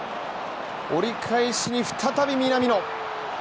折り返しに再び南野。